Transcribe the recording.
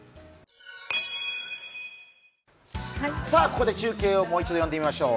ここで中継をもう一度呼んでみましょう。